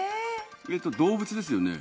動物ですよね？